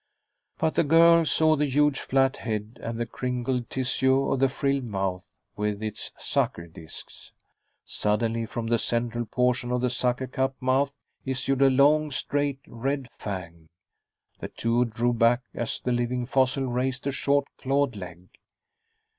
But the girl saw the huge flat head and the crinkled tissue of the frilled mouth with its sucker disks. Suddenly, from the central portion of the sucker cup mouth issued a long, straight red fang. The two drew back as the living fossil raised a short clawed leg.